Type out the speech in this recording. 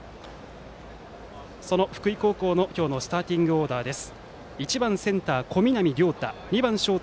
その北陸高校の、今日のスターティングオーダーです。